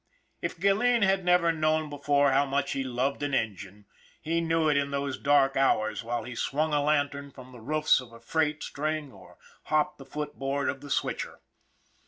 If Gilleen had never known before how much he loved an engine he knew it in those dark hours while he swung a lantern from the roofs of a freight string, or hopped the foot board of the switcher.